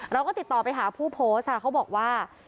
เราก็ติดต่อไปหาผู้โพสต์ค่ะเขาบอกว่า